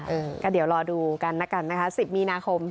เออก็เดี๋ยวรอดูกันนะครับ๑๐มีนาคม